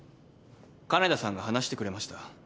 金田さんが話してくれました。